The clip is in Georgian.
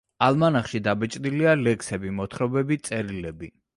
ალმანახში დაბეჭდილია ლექსები, მოთხრობები, წერილები.